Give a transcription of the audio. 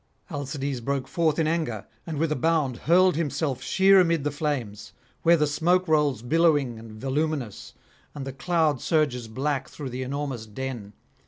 Alcides broke forth in anger, and with a bound hurled himself sheer amid the flames, where the smoke rolls billowing and voluminous, and the cloud surges black through the enormous den.